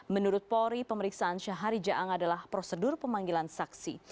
menurut polri pemeriksaan syahari jaang adalah prosedur pemanggilan saksi